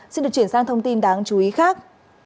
xin được chuyển sang thông tin đáng chú ý khác